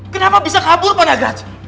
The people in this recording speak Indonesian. kenapa bisa kabur panagraj